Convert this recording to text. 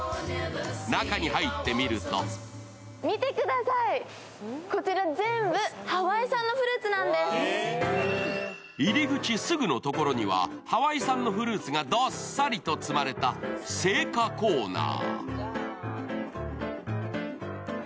中に入ってみると入り口すぐの所にはハワイ産のフルーツがどっさりと積まれた青果コーナー。